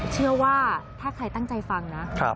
เชื่อว่าถ้าใครตั้งใจฟังนะ